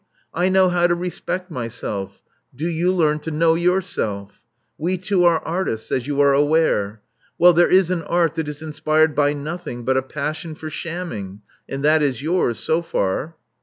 I know how to respect myself: do you learn to know yourself. We two are artists, as you are aware. Well, there is an art that is inspired by noth ing but a passion for shamming; and that is yours, so far.